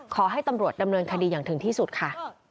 ขอให้ตำรวจดำเนินคดีอย่างถึงที่สุดค่ะ